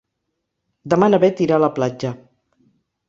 Demà na Bet irà a la platja.